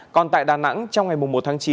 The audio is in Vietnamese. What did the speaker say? còn tại đà nẵng trong ngày một tháng chín